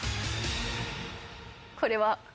これは？